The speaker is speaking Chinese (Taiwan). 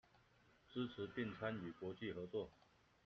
支持並參與國際合作